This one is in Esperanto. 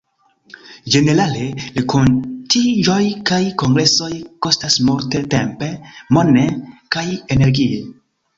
Ĝenerale, renkontiĝoj kaj kongresoj kostas multe tempe, mone, kaj energie.